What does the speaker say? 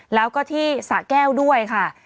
แล้วก็ที่สะแก้วด้วยค่ะ